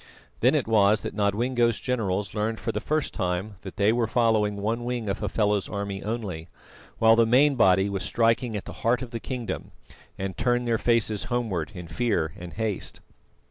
Then it was that Nodwengo's generals learned for the first time that they were following one wing of Hafela's army only, while the main body was striking at the heart of the kingdom, and turned their faces homewards in fear and haste.